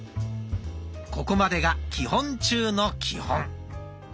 ここまでが基本中の基本。